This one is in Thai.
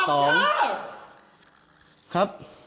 บอกชื่อ